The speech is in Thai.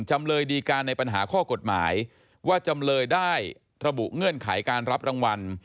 จำเลยดีการในปัญหาข้อกฎหมายว่าจำเลยได้ระบุเงื่อนไขการรับรางวัล